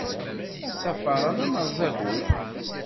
Asafar-a d amerẓagu.